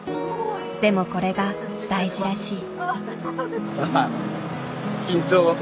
でもこれが大事らしい。